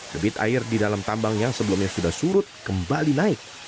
debit air di dalam tambang yang sebelumnya sudah surut kembali naik